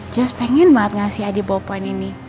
jess pengen banget ngasih adi bawa poin ini